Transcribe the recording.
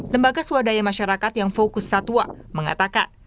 lembaga swadaya masyarakat yang fokus satwa mengatakan